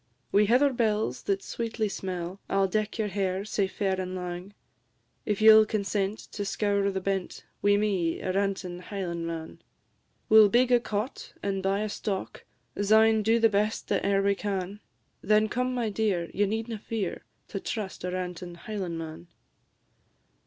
"Wi' heather bells, that sweetly smell, I 'll deck your hair, sae fair and lang, If ye 'll consent to scour the bent Wi' me, a rantin' Highlandman. We 'll big a cot, and buy a stock, Syne do the best that e'er we can; Then come, my dear, ye needna fear To trust a rantin' Highlandman."